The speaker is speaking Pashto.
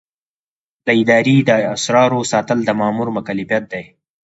د ادارې د اسرارو ساتل د مامور مکلفیت دی.